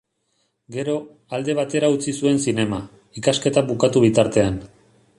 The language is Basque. Gero, alde batera utzi zuen zinema, ikasketak bukatu bitartean.